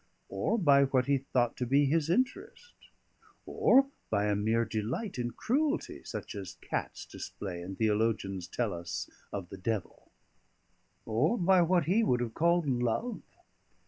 or by what he thought to be his interest? or by a mere delight in cruelty such as cats display and theologians tell us of the devil? or by what he would have called love?